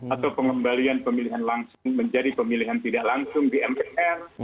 atau pengembalian pemilihan langsung menjadi pemilihan tidak langsung di mpr